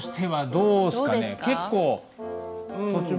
どうですか？